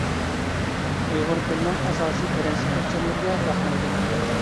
ئۇيغۇر تىلنىڭ ئاساسىي پىرىنسىپ ئۆلچەملىرىگە باقمايدۇ.